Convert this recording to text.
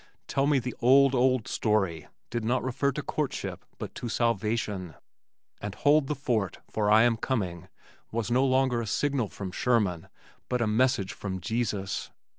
Tell Me the Old Old Story did not refer to courtship but to salvation, and Hold the Fort for I am Coming was no longer a signal from Sherman, but a Message from Jesus.